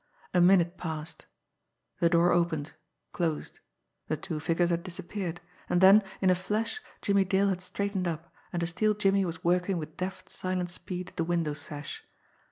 A minute passed; the door opened, closed, the two figures had disappeared and then, in a flash, Jimmie Dale had straightened up, and a steel jimmy was working with deft, silent speed at the window sash.